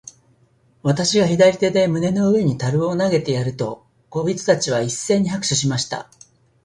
私が左手で胸の上の樽を投げてやると、小人たちは一せいに拍手しました。